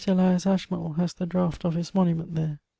Elias Ashmole has the draught of his monument there.